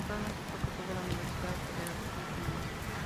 Actualmente es profesor de la Universidad Federal de Santa Maria.